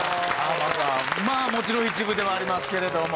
まあもちろん一部ではありますけれども。